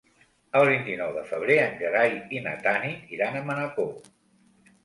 El vint-i-nou de febrer en Gerai i na Tanit iran a Manacor.